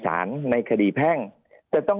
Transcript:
ภารกิจสรรค์ภารกิจสรรค์